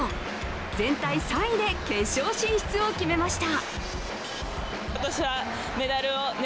全体３位で決勝進出を決めました。